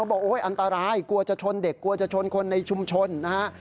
บอกโอ้ยอันตรายกลัวจะชนเด็กกลัวจะชนคนในชุมชนนะฮะ